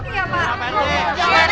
iya pak rt